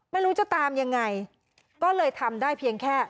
ไม่รู้จะตามยังไงก็เลยทำได้เพียงแค่